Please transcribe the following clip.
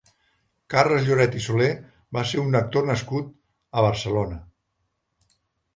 Carles Lloret i Soler va ser un actor nascut a Barcelona.